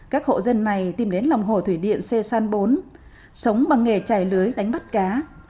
các hộ dân này tìm đến lòng hồ thủy điện xê san bốn sống bằng nghề trài lưới đánh bắt cá